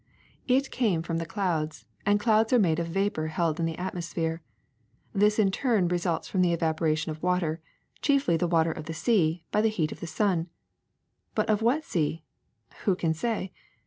It came from the clouds, and clouds are made of vapor held in the atmosphere. This in turn results from the evaporation of water, chiefly the water of the sea, by the heat of the sun. But of what sea? Who can say?